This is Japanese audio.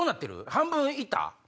半分行った？